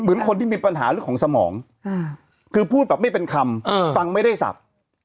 เหมือนคนที่มีปัญหาเรื่องของสมองคือพูดแบบไม่เป็นคำฟังไม่ได้สับ